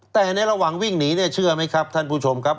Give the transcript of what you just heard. แต่ในระหว่างวิ่งหนีเนี่ยเชื่อไหมครับท่านผู้ชมครับ